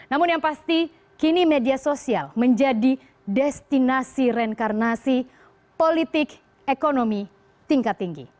namun yang pasti kini media sosial menjadi destinasi reinkarnasi politik ekonomi tingkat tinggi